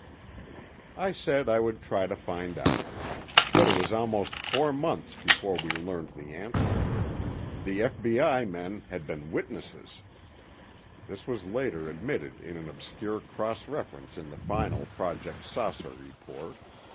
I said I would try to find out. But it was almost four months before we learned the answer: The F.B.I. men had been witnesses. (This was later admitted in an obscure cross reference in the final Project "Saucer" report.